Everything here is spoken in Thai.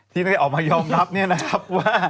ที่ต้องแต่ออกมายอมรับเนี่ยนะครับ